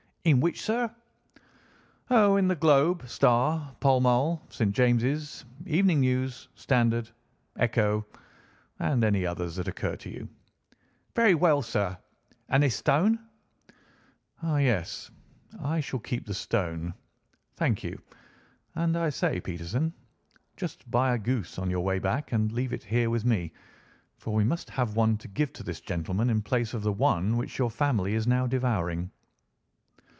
"In which, sir?" "Oh, in the Globe, Star, Pall Mall, St. James's Gazette, Evening News, Standard, Echo, and any others that occur to you." "Very well, sir. And this stone?" "Ah, yes, I shall keep the stone. Thank you. And, I say, Peterson, just buy a goose on your way back and leave it here with me, for we must have one to give to this gentleman in place of the one which your family is now devouring."